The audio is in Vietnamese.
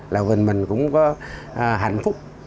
là mình cũng có hạnh phúc